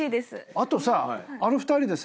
あとさあの２人でさ